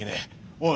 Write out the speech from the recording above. おい！